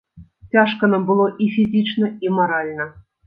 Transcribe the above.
Цяжка нам было і фізічна і маральна.